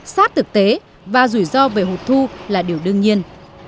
sát thực tế và rủi ro về hụt thu là điều đương nhiên